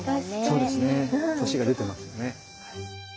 そうですね年が出てますよね。